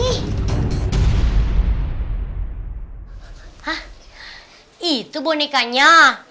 hah itu bonekanya